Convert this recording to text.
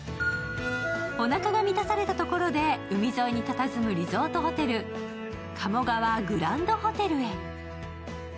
おなかが満たされたところで海沿いにたたずむリゾートホテル鴨川グランドホテルへ。